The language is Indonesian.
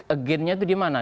again nya itu di mana